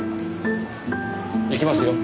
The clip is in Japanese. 行きますよ。